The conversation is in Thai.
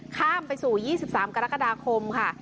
ข้ามไปสู่๒๓กรกฎาคมค่ะ